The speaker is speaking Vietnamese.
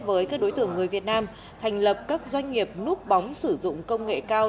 với các đối tượng người việt nam thành lập các doanh nghiệp núp bóng sử dụng công nghệ cao